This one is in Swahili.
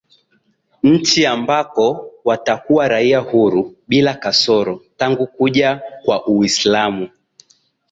nchi ambako watakuwa raia huru bila kasoro Tangu kuja kwa Uislamu